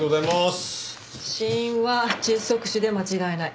死因は窒息死で間違いない。